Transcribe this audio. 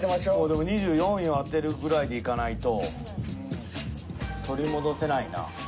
でも２４位を当てるぐらいでいかないと取り戻せないな。